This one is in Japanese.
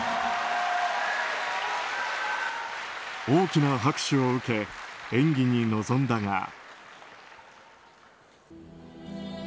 大きな拍手を受け演技に臨んだが。